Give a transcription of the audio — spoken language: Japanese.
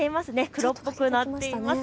黒っぽくなっています。